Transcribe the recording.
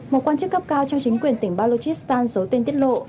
một quan chức cấp cao trong chính quyền tỉnh balochistan giấu tên tiết lộ